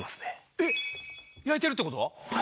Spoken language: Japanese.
えっ⁉焼いてるってこと？